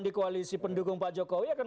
di koalisi pendukung pak jokowi akan